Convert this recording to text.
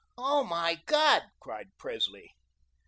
"Oh, my God!" cried Presley.